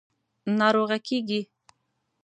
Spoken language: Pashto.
– ناروغه کېږې.